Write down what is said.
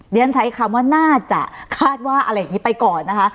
ฉันใช้คำว่าน่าจะคาดว่าอะไรอย่างนี้ไปก่อนนะคะ